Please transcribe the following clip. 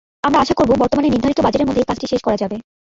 আমরা আশা করব, বর্তমানে নির্ধারিত বাজেটের মধ্যেই কাজটি শেষ করা যাবে।